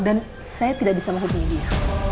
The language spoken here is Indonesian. dan saya tidak bisa masuk ke media